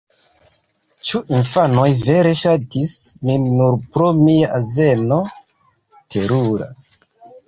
Ĉu infanoj vere ŝatis min nur pro mia azeno? Terura.